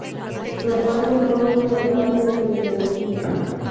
Su hermano fue un notable mineralogista.